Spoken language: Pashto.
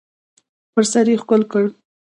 پر سر یې ښکل کړ .